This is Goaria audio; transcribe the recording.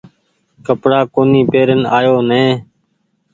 ڪپڙآ ڪونيٚ پيرين آيو نئي ۔